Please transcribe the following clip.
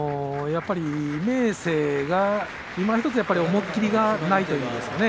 やっぱり明生がいまひとつ思い切りがないというかですね